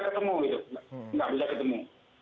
ketemu gitu nggak bisa ketemu